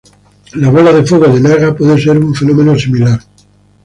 La bola de fuego de Naga puede ser un fenómeno similar.